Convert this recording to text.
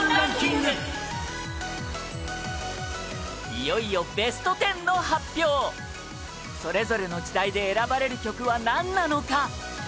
いよいよ、ベスト１０の発表それぞれの時代で選ばれる曲はなんなのか？